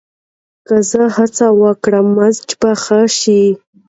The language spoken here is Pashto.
که زه هڅه وکړم، مزاج به ښه شي.